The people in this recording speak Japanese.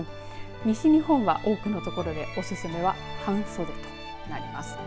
西日本は多くの所でおすすめは半袖となります。